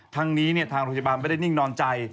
ทางนี้เนี่ยทางพยาบาลไม่ได้นิ่งนอนใจ